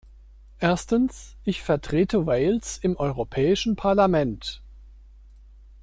Erstens, ich vertrete Wales im Europäischen Parlament.